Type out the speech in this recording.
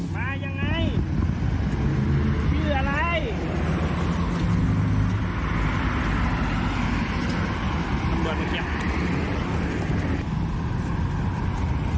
มายังไงพี่อะไร